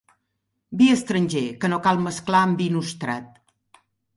Vi estranger, que no cal mesclar amb vi nostrat.